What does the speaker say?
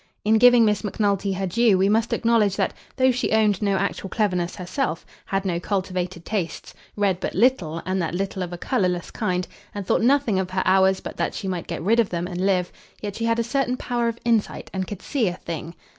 In giving Miss Macnulty her due, we must acknowledge that, though she owned no actual cleverness herself, had no cultivated tastes, read but little, and that little of a colourless kind, and thought nothing of her hours but that she might get rid of them and live, yet she had a certain power of insight, and could see a thing.